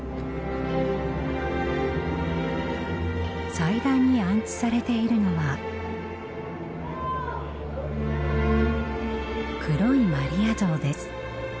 祭壇に安置されているのは黒いマリア像です。